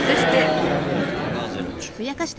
粉ゼラチン。